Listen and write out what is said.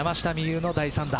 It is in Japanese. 有の第３打。